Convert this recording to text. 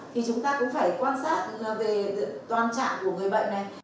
thì chúng ta cũng phải quan sát về toàn trạng của người bệnh này